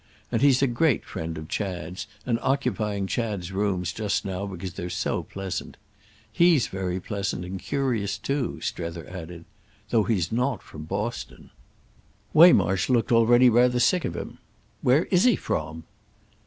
And he's a great friend of Chad's, and occupying Chad's rooms just now because they're so pleasant. He's very pleasant and curious too," Strether added—"though he's not from Boston." Waymarsh looked already rather sick of him. "Where is he from?"